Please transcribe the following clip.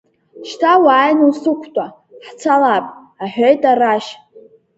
Шьҭа уааины усықәтәа, ҳцалап, — аҳәеит арашь.